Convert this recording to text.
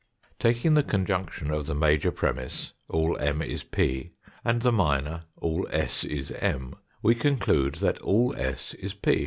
Taking the conjunction of the major premiss, all M is p, and the minor, all s is M, we conclude that all s is P.